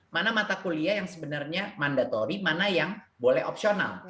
mana mata kuliah yang sebenarnya mandatori mana yang boleh opsional